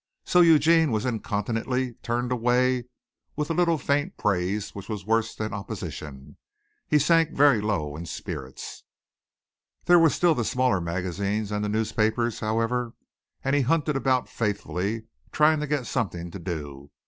So Eugene was incontinently turned away with a little faint praise which was worse than opposition. He sank very low in spirits. There were still the smaller magazines and the newspapers, however, and he hunted about faithfully, trying to get something to do.